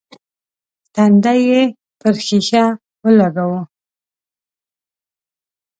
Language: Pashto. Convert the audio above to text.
تندی يې پر ښيښه ولګاوه.